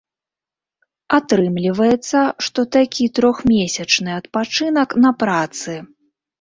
Атрымліваецца, што такі трохмесячны адпачынак на працы.